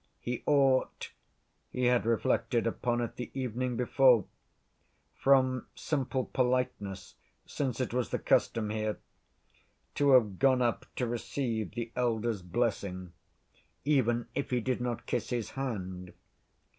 He ought—he had reflected upon it the evening before—from simple politeness, since it was the custom here, to have gone up to receive the elder's blessing, even if he did not kiss his hand.